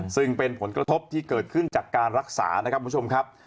ซึ่งเป็นผลกระทบที่เกิดขึ้นจากการรักษานะครับคุณผู้ชมครับ